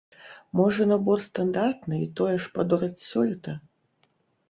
Можа, набор стандартны і тое ж падораць сёлета?